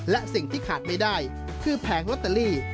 และสิ่งที่ขาดไม่ได้คือแผงลอตเตอรี่